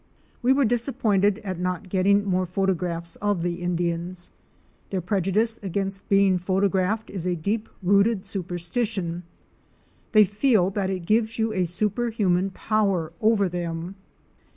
We were disappointed at not getting more photographs of the Indians. Their prejudice against being photographed is a deep rooted superstition. They feel that it gives you a superhuman power over them.